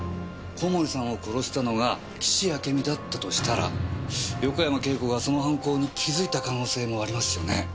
小森さんを殺したのが岸あけみだったとしたら横山慶子がその犯行に気付いた可能性もありますよね。